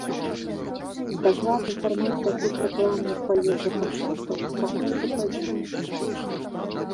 Дакладны фармат такіх рэкламных паездак-канцэртаў пакуль удакладняецца.